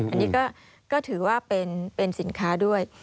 อันนี้ก็ถือว่าเป็นสินค้าด้วย